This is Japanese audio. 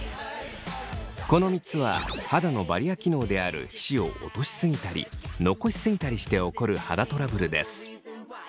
この３つは肌のバリア機能である皮脂を落としすぎたり残しすぎたりして起こる肌トラブルです。